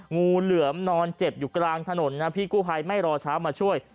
งูเหลือมนอนเจ็บอยู่กลางถนนนะพี่กู้ภัยไม่รอเช้ามาช่วย